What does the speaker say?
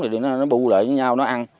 rồi nó bu lại với nhau nó ăn